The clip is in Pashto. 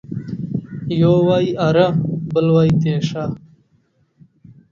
يو وايي اره ، بل وايي تېشه.